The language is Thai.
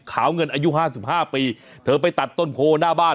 ขาวเงินอายุ๕๕ปีเธอไปตัดต้นโค้งหน้าบ้าน